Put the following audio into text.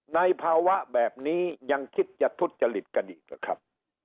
ในภาวะแบบนี้ยังคิดจะทุจจริตกันอีกหรือครับ